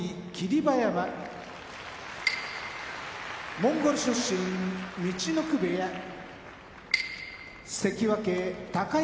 馬山モンゴル出身陸奥部屋関脇・高安